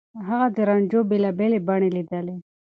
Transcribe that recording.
هغې د رانجو بېلابېلې بڼې ليدلي.